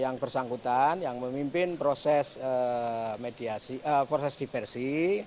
yang bersangkutan yang memimpin proses diversi